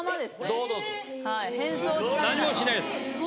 堂々と何もしないです。